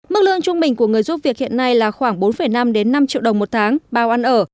mức lương trung bình của người giúp việc hiện nay là khoảng bốn năm năm triệu đồng một tháng bao ăn ở